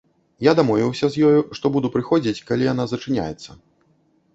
Я дамовіўся з ёю, што буду прыходзіць, калі яна зачыняецца.